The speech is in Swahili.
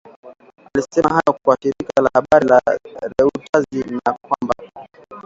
Alisema hayo kwa shirika la habari la Reuttazi na kwamba